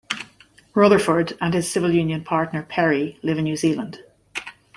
Rutherford and his civil union partner Perry live in New Zealand.